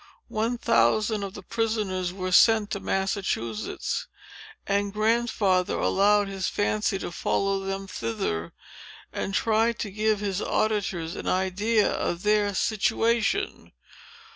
One thousand of the prisoners were sent to Massachusetts; and Grandfather allowed his fancy to follow them thither, and tried to give his auditors an idea of their situation.